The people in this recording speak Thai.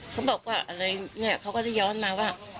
เขาบอกว่าอะไรเนี่ยเขาก็จะย้อนมาว่า